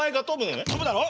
跳ぶだろ？